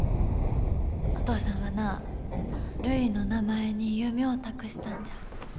お父さんはなるいの名前に夢ょお託したんじゃ。